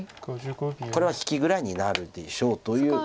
これは引きぐらいになるでしょうという。